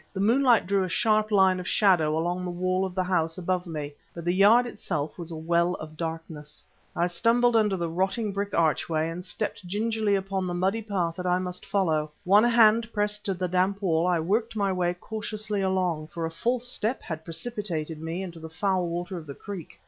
The moonlight drew a sharp line of shadow along the wall of the house above me, but the yard itself was a well of darkness. I stumbled under the rotting brick archway, and stepped gingerly upon the muddy path that I must follow. One hand pressed to the damp wall, I worked my way cautiously along, for a false step had precipitated me into the foul water of the creek.